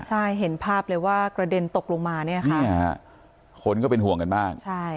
ใช่เห็นภาพเลยว่ากระเด็นตกลงมาเนี่ยค่ะคนก็เป็นห่วงกันมากใช่